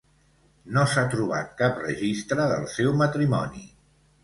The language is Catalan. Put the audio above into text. No s'ha trobat cap registre del seu matrimoni.